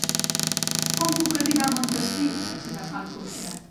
Com puc arribar a Montesquiu sense agafar el cotxe?